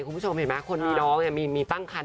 คุณผู้ชมเห็นไหมคนมีน้องมีตั้งคัน